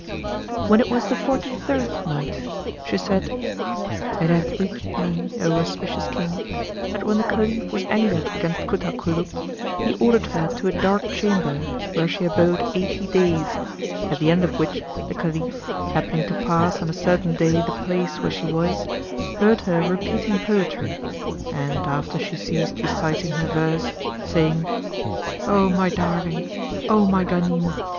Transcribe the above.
When it was the Forty third Night, She said, It hath reached me, O auspicious King, that when the Caliph was angered against Kut al Kulub, he ordered her to a dark chamber where she abode eighty days, at the end of which the Caliph, happening to pass on a certain day the place where she was, heard her repeating poetry, and after she ceased reciting her verse, saying, "O my darling, O my Ghanim!